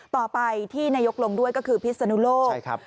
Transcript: ต่อไปที่นายกลงด้วยก็คือพิศนุโลก